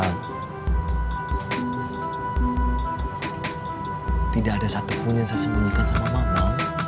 tidak ada satupun yang saya sembunyikan sama mama